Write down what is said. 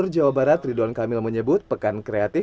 jawa barat dua ribu dua puluh tiga